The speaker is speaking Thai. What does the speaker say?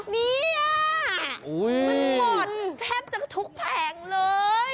เนี่ยมันหมดแทบจะทุกแผงเลย